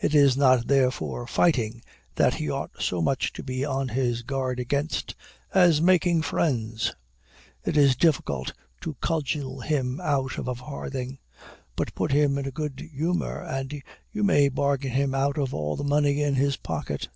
It is not, therefore, fighting that he ought so much to be on his guard against, as making friends. It is difficult to cudgel him out of a farthing; but put him in a good humor, and you may bargain him out of all the money in his pocket.